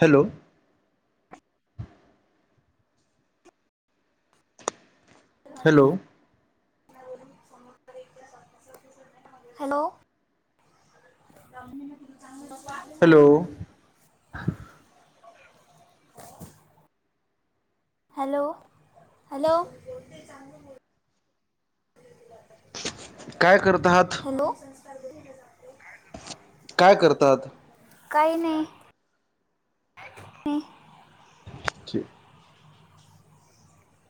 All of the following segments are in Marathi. Hello! Hello! Hello! Hello! [inaudible] Hello hello! काय करता आहात? सर्दी झाल्या दाखवून या. काय करतात? काही नाही. [unintelligible]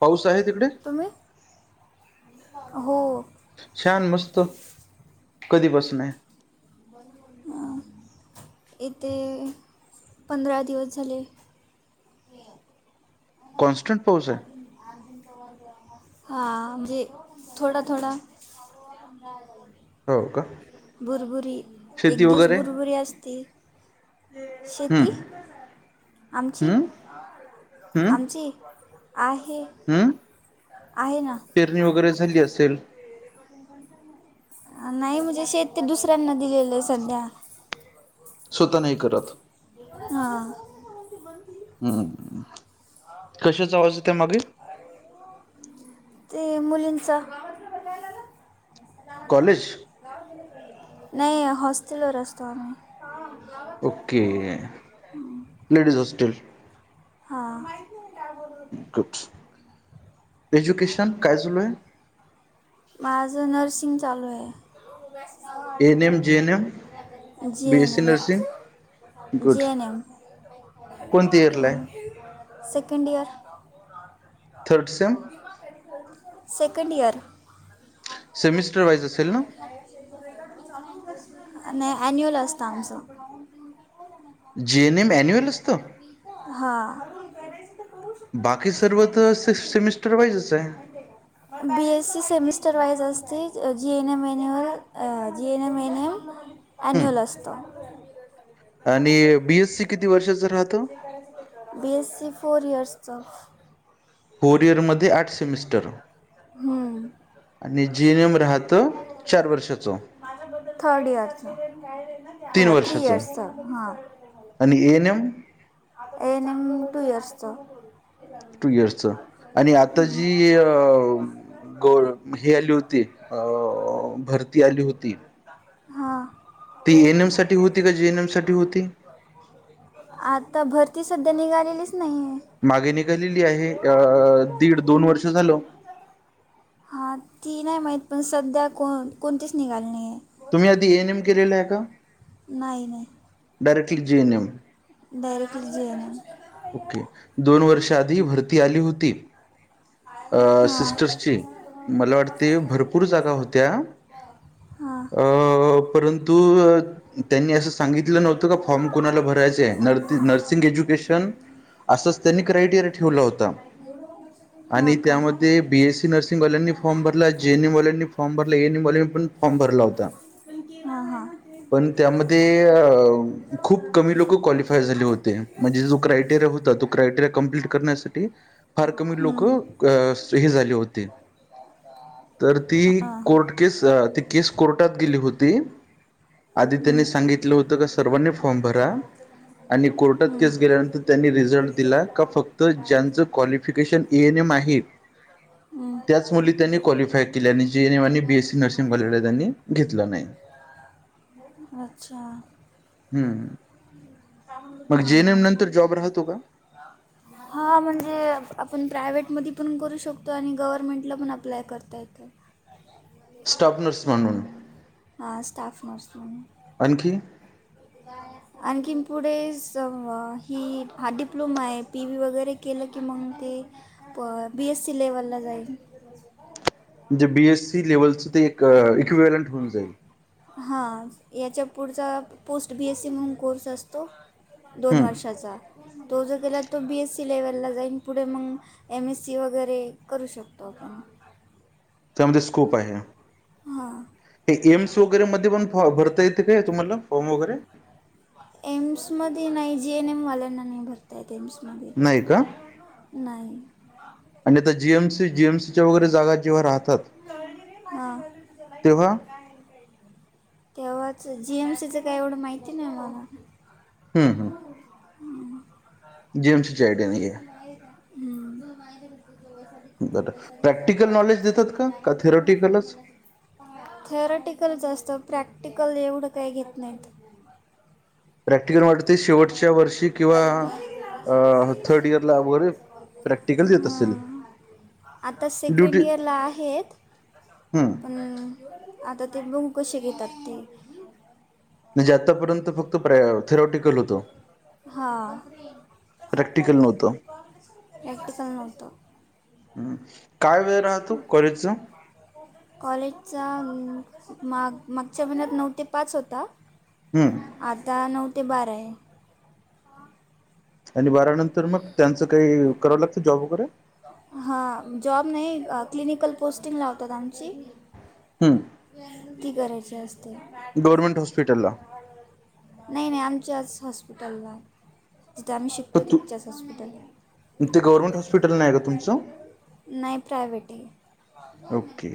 पाऊस आहे तिकड. तुम्ही हो. छान मस्त कधी पासन. येथे पंधरा दिवस झाले. कॉनस्टंट. अजून अजून [unintelligible] हा म्हणजे थोडा, थोडा. हो. का. भुरबुरी. एक शेती दिवस वगैरे भुरबुरी असती. शेती हम्म हम्म हम्म आमची-आमची. आहे. हम्म आहे ना. पेरणी वगैरे झाली असेल. नाही म्हणजे शेत ते दुसऱ्यांना दिलेलं आहे सध्या. स्वतः नाही करत. हा. कशा आवाज येतोय मागे. ते मुलिंचा. कॉलेज. नाही हॉस्टल वर असतो आम्ही. Okay ladies hostel.? हा. गुडस. एजुकेशन काय चालू हाय? माझं [inaudible] चालू आहे. N M J N M G. B S N. C M. Nursing good G. N. M कोणती इयरला आहे second year. Third sem. Second year semester wise असेल ना? नाही अ ॲन्युअल असत आमचं. जीएनएम अँन्युअल असतं? हां बाकी सर्व तर सिक्स सेमिस्टर वाइजचं हाय. बीएससी सेमिस्टर वाईज असत. ते G N M manual G N M म एन एम अ ॲन्युअल हम्म. असतं. आणि बीएस सी किती वर्षाचं राहतं? बीएसी फोर इयर्स चं. कोरियरमध्ये आठ सेमिस्टर हम. आणि जीएन एम राहत चार वर्षाचं. थर्ड इयरचं तीन तर थ्री वर्षाचं इयर्सचा हा. आणि आणि N M? N M two इयर्सचं. Two इयर्सच आणि आता जी अ गोळ हे आली होती, अ भरती आली होती हा. ती एएनएम साठी होती का जीएनएम साठी होती? आता भरती सध्या निघालेली मागे निघालेली आहे, अ दीड दोन वर्ष झालं? हां ती नाही माहीत, पण सध्या कोण कोणतीच निघाली नाही आहे. तुम्ही आधी एनएम केलेलं आहे का? नाही-नाही. Directly G. M. M. Directly G. M. M. Okay दोन वर्ष आधी भरती आली होती. अ हां सिस्टर्सची. मला वाटते भरपूर जागा होत्या हां अ परंतु त्यांनी असं. सांगितलं नव्हतं का फॉर्म कोणाला भरायचाय नर्सिंग एज्युकेशन. असंच त्यांनी क्रायटेरिया ठेवल होत. हां आणि का त्यामध्ये बी. एस. सी. नर्सिंगवाल्यांनी फॉर्म भरला. जे एन. एमवाल्यांनी फॉर्म भरला एन एम. वाल्यांनी पण फॉर्म भरला होता. हां हां पण त्यामध्ये अ खूप कमी लोक क्वालिफाय झाले होते. म्हणे जो क्रयटेरि होता. तो क्रयटेरि कम्प्लीट करण्यासाठी फार कमी हं, लोक. लोक हं. हे झाले होते. तर हां ती हां कोर्ट केस ते. केस कोर्टात गेली होती. आधी त्यांनी हं, सांगितलं होतं का सर्वांनी फॉर्म भरा. आणि कोर्टात हं, केस गेल्यानंतर त्यांनी रिझल्ट दिला का फक्त ज्यांचं क्वालिफिकेशन माहीत. हं. त्याच मुली त्यांनी क्वालिफाय केल्या आणि जी. ए. नए आणि बी. ए. ससी नर्सिंग कॉलेजला त्यांनी घेतलं नाही. हा [unintelligible] अच्छा. हम्म. मग जे एन एम नंतर जॉब राहतो का? हा म्हणजे आपण प्रायव्हेट. मधी पण करू शकतो आणि गव्हर्मेंटला पण अप्लाय करता येतं. स्टॉपनर्स म्हणून हां स्टाफ नर्स म्हणून आणखी [inaudible] आणखीन पुढे ही हा डिप्लोमा आहे पी बी वगैरे केलं की मग बी एस सी लेवलला जाईल. म्हणजे बीएससी लेवलच ते एक इक्विलंट होऊन जाईल? हां याच्या पुढचा पोस्ट बी एस सी म्हणून कोर्स असतो, दोन हम्म वर्षाचा तो जो केला तो बी ए सी लेवलला जाईन पुढे मग एम एस सी वगैरे करू शकतो आपण. त्यामध्ये स्कोप आहे, हां हे एम्स वगैरे म पण भर ता येत काय तुम्हाला फॉर्म वगैरे? एम्स मध्ये नाही जेएन एम वाल्यांना नाही भरतायेत. एम्स मध्ये नाही का नाही. जीएमसच्या वगैरे जागा जेव्हा राह हा तेव्हा तेव्हा जीएमसीच काही एवढं माहिती नाही मला. जी एम सि ची आयड्या नाहीय! हम्म. बरं प्रॅक्टिकल नॉलेज देतात का का थेरॉटिकलच? थेरॉटिकलच असतं प्रॅक्टिकल एवढं काही घेत नाहीत. प्रॅक्टिकल वाटतय शेवट पुढच्या वर्षी किंवा थर्ड इयरला वगैरे प्रॅक्टिकल देत असतील. हां आता सेकंड इयरला आहेत, हम्म पण आता ते बघू कसे घेतात ते! म्हणजे आत्तापर्यंत फक्त प्र थेराॉटिकल होत? हा प्रॅक्टिकल नव्हतं नव्हतं. हम, काय वेळ राहतो कॉलेजचा? कॉलेजचा अं, माग मागच्या महिन्यात नऊ ते पाच होता, हम्म. आता नऊ ते बारा आहे. [unintelligible] आणि बारावी नंतर मग त्यांचं काही करावं लागतं जॉब वगैरे? हां जॉब नाही क्लिनिकल पोस्टिंग लावतात आमची हम्म ती करायची असते. गव्हर्नमेंट हॉस्पिटलला नाही नाही आमच्याच हॉस्पिटलला. जिथं आमही हो शिकतो तू तितच्याच हॉस्पिटल. ते गव्हर्नमेंट हॉस्पिटल नाही का तुमचं नाही प्रायवेट ये. ओके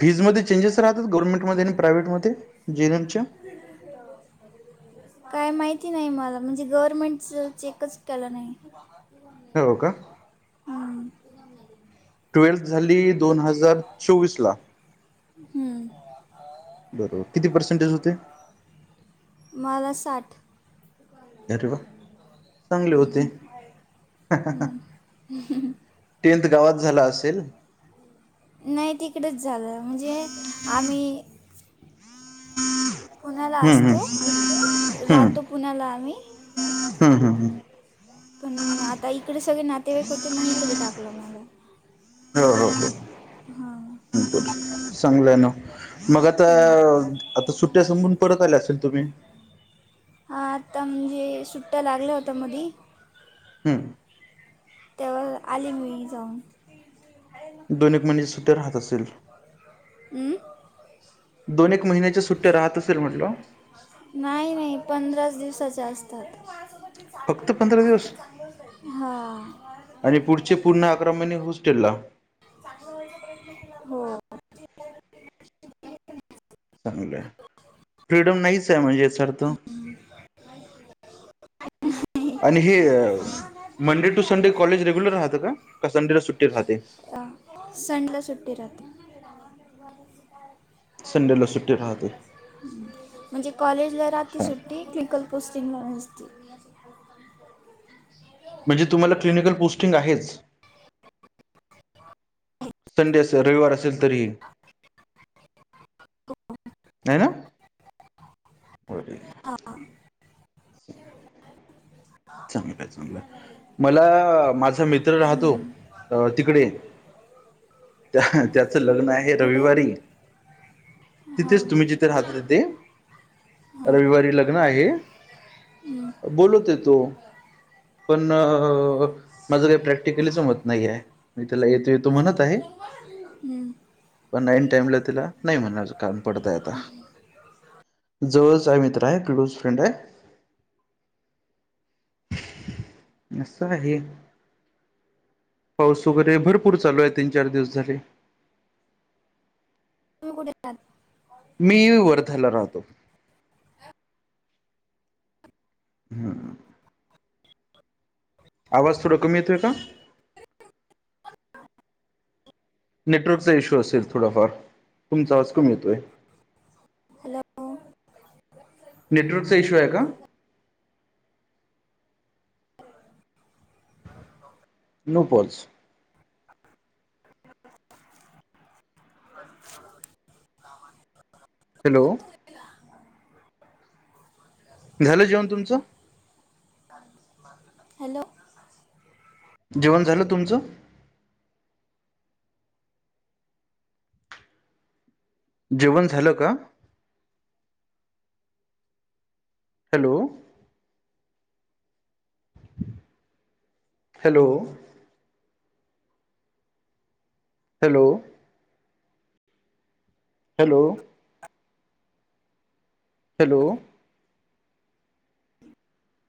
फीजमध्ये चेंजेस राहतात गर्मेंट मध्ये प्रायवट मध्ये जेएनएमच्या? काय ती नाही मला म्हणजे गव्हर्नमेंटच चेकच केला नाही. हो का? हं. ट्वेल्थ झाली दोन हजार चोवीसला, हं. बरोबर. किती पर्सेंटेज होते? मला साठ. अरे वा चांगले होते. टेंथ गावात झाला असेल? नाही तिकडेच झालं म्हणजे आम्ही पुण्याला हम्म हम्म असतो, हम्म राहतो पुण्याला आम्ही. हम्म हम् हम! पण आता इकडे सगळे नातेवाईक होते मग इकडे टाकलं मला. हो हो हो हा. चांगलंय ना मग आता हं. आता सुट्ट्या संपून परत आल्या असेल तुम्ही? हा आता म्हणजे सुट्ट लागलं होत मधी, हम्म. तेव्हा आली मी इथे दोन एक महिने सुट्ट्या राहत असेल? हम? दोन एक महिन्याच्या सुट्ट्या राहत असेल म्हटलं? नाही नाही पंधराच दिवसाचे असतात. ह [unintelligible] फक्त पंधरा दिवस हां आणि पुढचे पूर्ण अकरा महिने हॉस्टेल ला? हो. चांगलं फ्रीडम नाहीच काय म्हणजे सरत आणि हे Monday to Sunday college regular राहत का? का संडे ला सुट्टी राहते? अ, संडेला सुट्टी [inaudible] संडेला सुट राहा म्हणजे कॉलेजला राहते छान सुट्टी क्लिकल पोस्टिंगला नसते ते [inaudible] म्हणजे तुम्हाला क्लिनिकल पोस्टिंग आहेच? संडे असेल रविवार असेल तरीही [unintelligible] हो. नाहीय ना? हो ठीक हां आहे स चांगला चांगला मला माझा मित्र राहतो हं. अ तिकडे त्या त्याचं लग्न आहे कुठे रविवारी हां तिथेच तुम्ही जिथे राहता येते हां रविवारी लग्न आहे. हं, बोलवते तो पण माझ काही प्रॅक्टिकली जमत नाही आहे, मी त्याला येतो येतो म्हणत आहे. हं. पण आईन टाईमला त्याला नाही म्हणणार कारण पडतय आता. जवळच आहे मित्र आहे क्लोज फ्रेंड आहे. अससं आहे आहे. पाऊस वगैरे भरपूर चालू आहे तीन चार दिवस झाले. तुम्ही कुठे राहतात? मी वर्ध्याला राहतो. हम. आवाज थोडा कमी येतोय का? नेटवर्कचा इश्यू असेल थोडाफार तुमचा आवाज कमी येतोय. हॅलो? नेटवर्कचा इश्यू आहे का? नूपोलस ह [unintelligible] हॅलो? झाल जेवण तुमचं? हॅलो? जेवण झालं तुमचं? जेवण झालं का? Hello? Hello? Hello. Hello. Hello.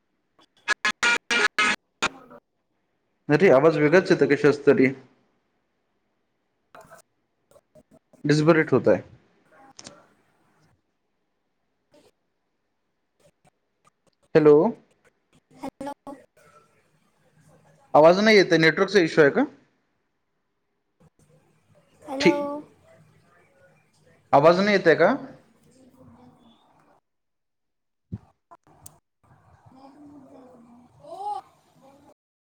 [unintelligible] अरे आवाज वेगळाच येत कशाचा तरी [unintelligible] डिझबरेट होताय. हॅलो. हॅलो. आवाज नाही येत नेटवर्कचा इश्यू आहे का? हॅलो. ठीक आवाज नाही येते का? एक [unintelligible]